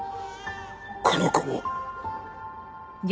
この子も。